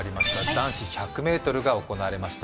男子１００ｍが行われました。